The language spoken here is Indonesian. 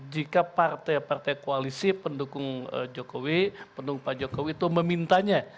jika partai partai koalisi pendukung jokowi pendukung pak jokowi itu memintanya